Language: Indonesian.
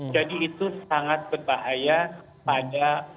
jadi itu sangat berbahaya pada